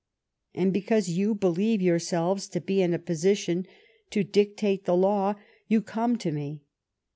And, because you believe yourselves to be in a position to dictate the law, you come to me.